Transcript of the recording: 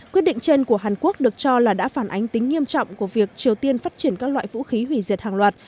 quyết định trên của hàn quốc được cho là đã phản ánh tính nghiêm trọng của việc triều tiên phát triển các loại vũ khí hủy diệt hàng loạt